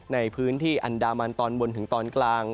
ในพื้นที่อันดามันตอนบนถึงตอนกลาง